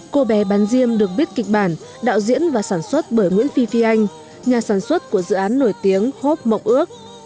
cô bé bán diêm được biết kịch bản đạo diễn và sản xuất bởi nguyễn phi phi anh nhà sản xuất của dự án nổi tiếng hốp mộng ước